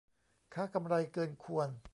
ค้ากำไรเกินควร